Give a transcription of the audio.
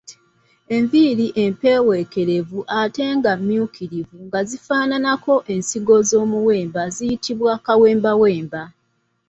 Enviiri empeewuukirivu ate nga mmyukirivu nga zifaananako ensigo z’omuwemba ziyitibwa kawembawemba.